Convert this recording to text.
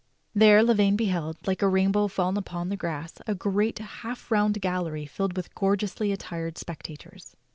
There Lavaine beheld, like a rainbow fallen upon the grass, a great half round gallery filled with gorgeously attired spectators.